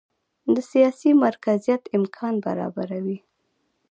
د سیاسي مرکزیت امکان برابروي.